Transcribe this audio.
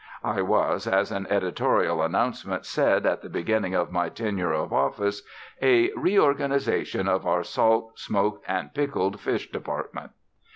I was, as an editorial announcement said at the beginning of my tenure of office, a "reorganisation of our salt, smoked, and pickled fish department."